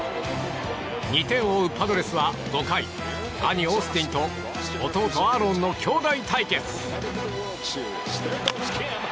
２点を追うパドレスは５回兄オースティンと弟アーロンの兄弟対決。